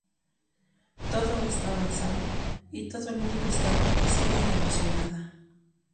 Todo está avanzando y todo el mundo está enloquecida y emocionada".